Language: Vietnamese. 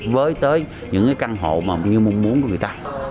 với tới những căn hộ như mong muốn của người ta